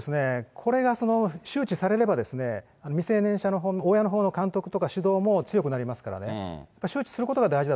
これが周知されれば、未成年者の親のほうの監督とか指導も強くなりますからね、周知す